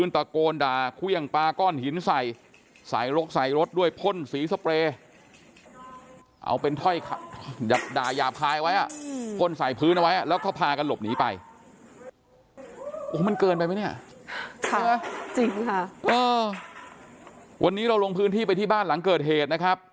วันนี้เราลงพื้นที่ไปที่บ้านหลังเกิดเหตุนะครับ